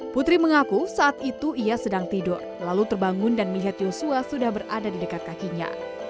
putri mengaku saat itu ia sedang tidur lalu terbangun dan melihat yosua sudah berada di dekat kakinya